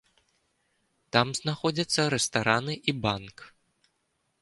Там знаходзяцца рэстараны і банк.